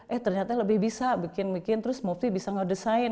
eh ternyata lebih bisa bikin bikin terus mufti bisa ngedesain